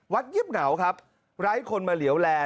วัดเย็บเหงาครับหลายคนมาเหลี่ยวแหล